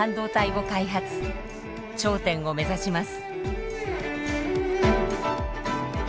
頂点を目指します。